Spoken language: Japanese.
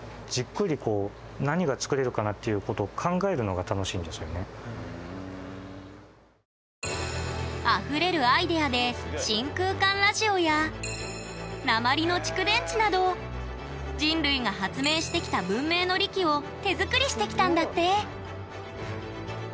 これあのこんなふうに普通はじっくりこうあふれるアイデアで真空管ラジオや鉛の蓄電池など人類が発明してきた文明の利器を手作りしてきたんだって。